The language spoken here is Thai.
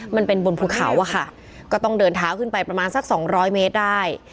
มันเป็นบนภูเขาอะค่ะก็ต้องเดินเท้าขึ้นไปประมาณสักสองร้อยเมตรได้